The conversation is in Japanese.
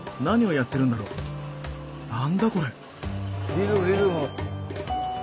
リズムリズム。